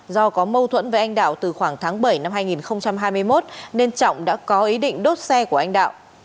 do có mâu thuẫn với anh đạo từ khoảng tháng bảy năm hai nghìn hai mươi một nên trọng đã có ý định đốt xe của anh đạo